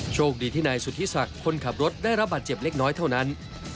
โชคดีที่นายสุธิศักดิ์คนขับรถได้รับบาดเจ็บเล็กน้อยเท่านั้น